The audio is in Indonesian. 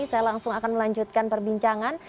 saya langsung akan melanjutkan perbincangan